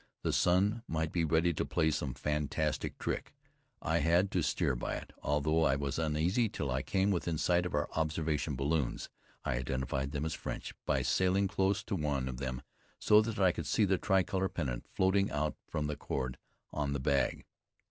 The sun might be ready to play some fantastic trick. I had to steer by it, although I was uneasy until I came within sight of our observation balloons. I identified them as French by sailing close to one of them so that I could see the tricolor pennant floating out from a cord on the bag.